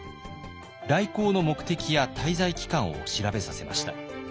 来航の目的や滞在期間を調べさせました。